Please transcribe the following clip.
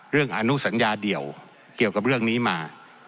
อนุสัญญาเดี่ยวเกี่ยวกับเรื่องนี้มา